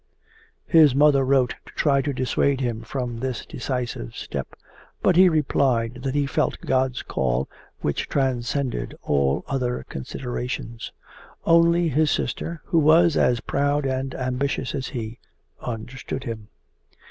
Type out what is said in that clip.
His mother wrote to try to dissuade him from this decisive step, but he replied that he felt God's call which transcended all other considerations. Only his sister, who was as proud and ambitious as he, understood him.